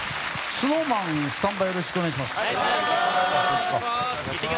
ＳｎｏｗＭａｎ、スタンバイよろしくお願いします。